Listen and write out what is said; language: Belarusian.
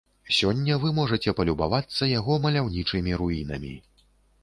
Сёння вы можаце палюбавацца яго маляўнічымі руінамі.